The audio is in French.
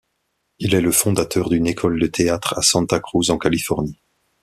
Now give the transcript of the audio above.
Il est le fondateur d'une école de théâtre à Santa Cruz en Californie.